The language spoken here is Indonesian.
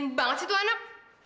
banyak banget sih tuh anak